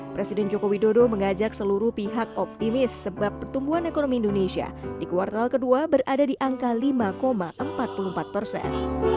presiden joko widodo mengajak seluruh pihak optimis sebab pertumbuhan ekonomi indonesia di kuartal kedua berada di angka lima empat puluh empat persen